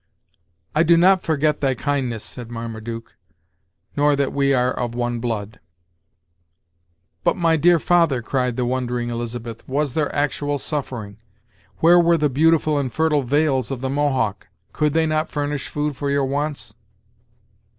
"I do not forget thy kindness," said Marmaduke, "nor that we are of one blood." "But, my dear father," cried the wondering Elizabeth, "was there actual suffering? Where were the beautiful and fertile vales of the Mohawk? Could they not furnish food for your wants?"